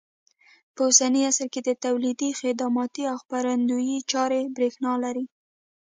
په اوسني عصر کې د تولیدي، خدماتي او خپرندوی چارې برېښنا لري.